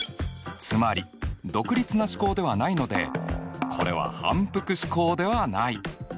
つまり独立な試行ではないのでこれは反復試行ではない。